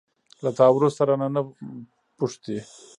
له تا وروسته، رانه، نه پوښتي